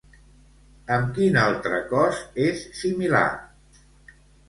Amb quin altre cos és similar?